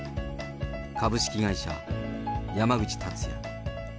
株式会社山口達也。